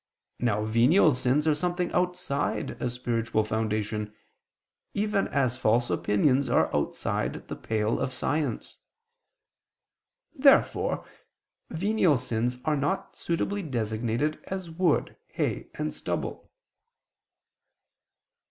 Now venial sins are something outside a spiritual foundation, even as false opinions are outside the pale of science. Therefore, venial sins are not suitably designated as wood, hay, and stubble.